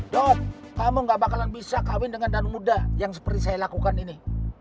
dod kamu gak bakalan bisa kawin dengan daun muda yang seperti saya lakukan ini